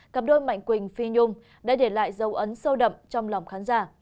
cặp đôi mạnh quỳnh phi nhung đã để lại dấu ấn sâu đậm trong lòng khán giả